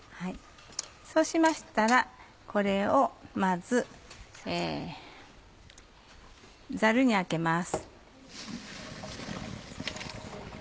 そうしましたらこれをまずザルにあけます。